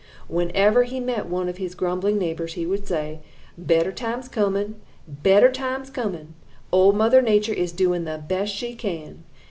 Whenever he met one of his grumbling neighbors, he would say: "'Better times coming! Better times coming! Old Mother Nature is doing the best she can.